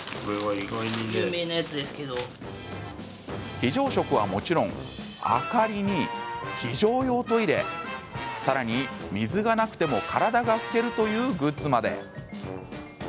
非常食は、もちろん明かりに非常用トイレさらに水がなくても体が拭けるというグッズまで。